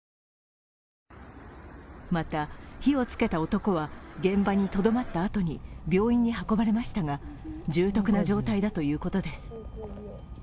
また、火をつけた男は、現場にとどまったあとに病院に運ばれましたが重篤な状態だということです。